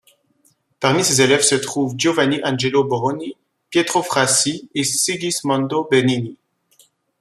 Parmi ses élèves se trouvent Giovanni Angelo Borroni, Pietro Frassi et Sigismondo Benini.